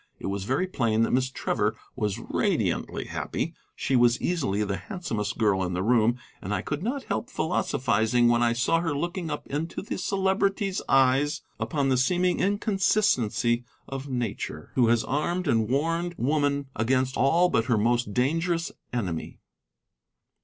It was very plain that Miss Trevor was radiantly happy; she was easily the handsomest girl in the room, and I could not help philosophizing when I saw her looking up into the Celebrity's eyes upon the seeming inconsistency of nature, who has armed and warned woman against all but her most dangerous enemy.